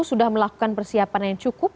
sudah melakukan persiapan yang cukup